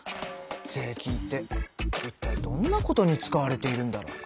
税金っていったいどんなことに使われているんだろう？